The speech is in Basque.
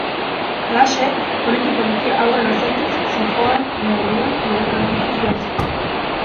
Halaxe, poliki-poliki haurra lasaituz zihoan neurrian, egoera argituz joan zen.